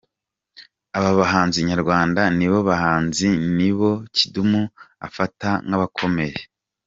Aba bahanzi nyarwanda ni bo bahanzi ni bo Kidum afata nk'abakomeye.